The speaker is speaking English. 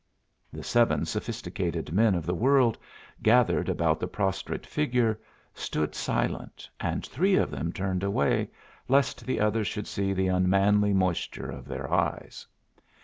The seven sophisticated men of the world, gathered about the prostrate figure, stood silent, and three of them turned away, lest the others should see the unmanly moisture of their eyes.